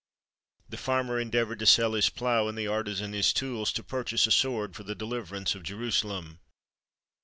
The farmer endeavoured to sell his plough, and the artisan his tools, to purchase a sword for the deliverance of Jerusalem.